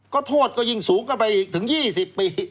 ก็โทษก็ยิ่งสูงเข้าไปอีกถึง๒๐ปี